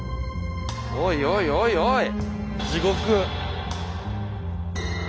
おいおいおいおい！